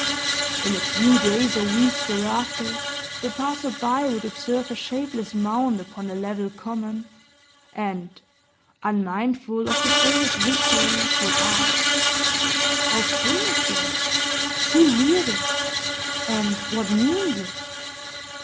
In a few days or weeks thereafter, the passer by would observe a shapeless mound upon the level common; and, unmindful of the famous victory, would ask, "How came it there? Who reared it? And what means it?"